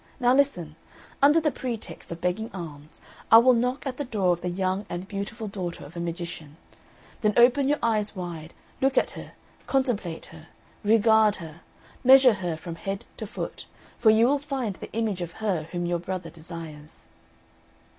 Now listen under the pretext of begging alms, I will knock at the door of the young and beautiful daughter of a magician; then open your eyes wide, look at her, contemplate her, regard her, measure her from head to foot, for you will find the image of her whom your brother desires."